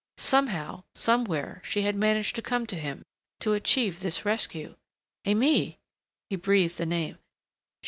Somehow, somewhere, she had managed to come to him, to achieve this rescue.... "Aimée!" He breathed the name.